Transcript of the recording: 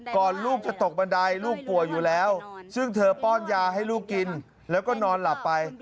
ลูกจะตกบันไดลูกป่วยอยู่แล้วซึ่งเธอป้อนยาให้ลูกกินแล้วก็นอนหลับไป